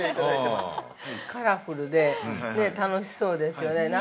◆カラフルで楽しそうですよね。